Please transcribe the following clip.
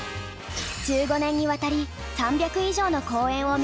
１５年にわたり３００以上の公演を見てきた寛之さん。